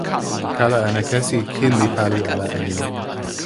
kala en akesi kin li pali ala e ni.